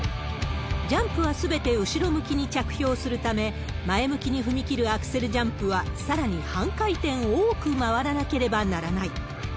ジャンプはすべて後ろ向きに着氷するため、前向きに踏み切るアクセルジャンプはさらに半回転多く回らなければならない。